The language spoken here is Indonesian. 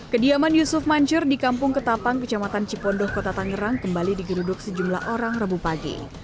kediaman yusuf mansur di kampung ketapang kecamatan cipondoh kota tangerang kembali digeruduk sejumlah orang rabu pagi